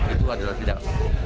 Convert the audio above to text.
itu adalah tidak